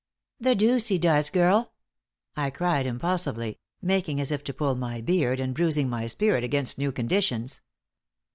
"The deuce he does, girl!" I cried, impulsively, making as if to pull my beard, and bruising my spirit against new conditions.